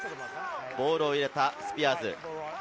ボールを入れたスピアーズ。